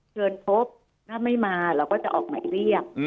เชิญพบถ้าไม่มาเราก็จะออกหมายเรียก